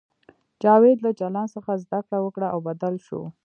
جاوید له جلان څخه زده کړه وکړه او بدل شو